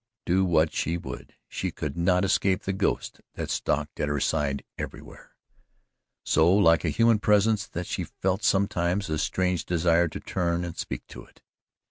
Do what she would, she could not escape the ghost that stalked at her side everywhere, so like a human presence that she felt sometimes a strange desire to turn and speak to it.